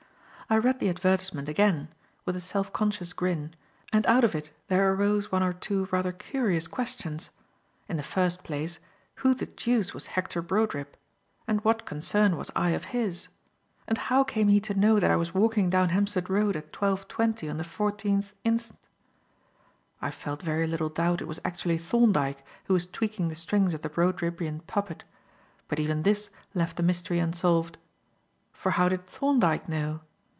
I read the advertisement again, with a self conscious grin, and out of it there arose one or two rather curious questions. In the first place, who the deuce was Hector Brodribb? And what concern was I of his? And how came he to know that I was walking down Hampstead Road at 12.20 on the 14th inst.? I felt very little doubt it was actually Thorndyke who was tweaking the strings of the Brodribbian puppet. But even this left the mystery unsolved. For how did Thorndyke know?